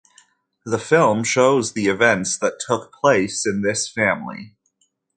The film shows the events that took place in this family.